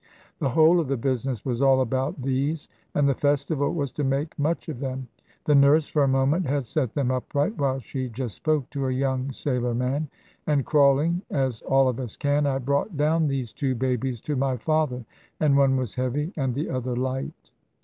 The whole of the business was all about these, and the festival was to make much of them. The nurse for a moment had set them upright, while she just spoke to a young sailor man; and crawling, as all of us can, I brought down these two babies to my father; and one was heavy, and the other light.